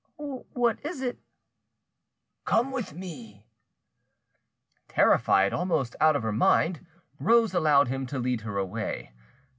"What is it?" "Come with me." Terrified almost out of her mind, Rose allowed him to lead her away.